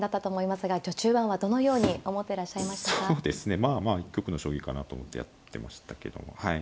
まあまあ一局の将棋かなと思ってやってましたけどもはい。